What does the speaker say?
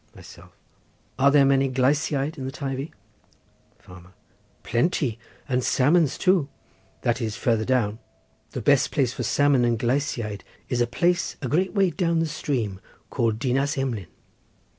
Myself.—Are there many gleisiaid in the Teivi? Farmer.—Plenty, and salmons too—that is, farther down. The best place for salmon and gleisiaid is a place, a great way down the stream, called Dinas Emlyn.